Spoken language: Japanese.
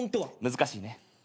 難しいね。